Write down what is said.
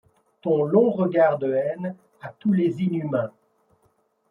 Ton long regard de haine à tous les inhumains